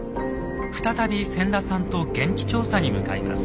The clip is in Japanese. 再び千田さんと現地調査に向かいます。